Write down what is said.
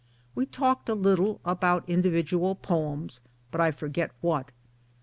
We talked a little about individual poems, but I forget what.